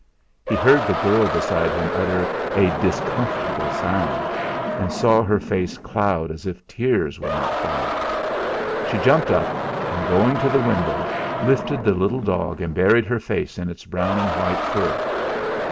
He heard the girl beside him utter a discomfortable sound, and saw her face cloud as if tears were not far off; she jumped up, and going to the window, lifted the little dog and buried her face in its brown and white fur.